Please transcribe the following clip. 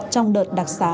trong đợt đặc xá